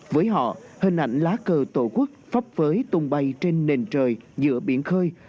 với họ hình ảnh lá cờ tổ quốc phấp phới tung bay trên nền trời giữa biển khơi